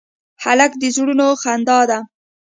هلک د زړونو خندا ده.